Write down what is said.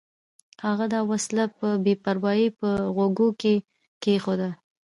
هغه دا وسیله په بې پروایۍ په غوږو کې کېښوده